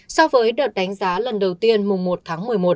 so với đợt đánh giá lần đầu tiên mùng một tháng một mươi một